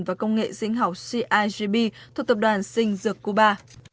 và công nghệ sinh học cigb thuộc tập đoàn sinh dược cuba